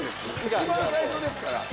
一番最初ですから！